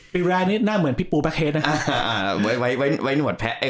ปีแรกนี่น่าเหมือนพี่ปูแพ็คเฮดนี่